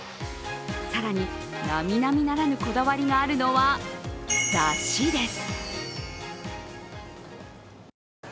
更に、なみなみならぬこだわりがあるのは、だしです。